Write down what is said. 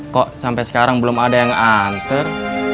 kok sampai sekarang belum ada yang anter